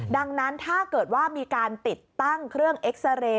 ดังนั้นถ้าเกิดว่ามีการติดตั้งเครื่องเอ็กซาเรย์